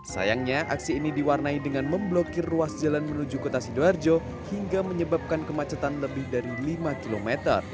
sayangnya aksi ini diwarnai dengan memblokir ruas jalan menuju kota sidoarjo hingga menyebabkan kemacetan lebih dari lima km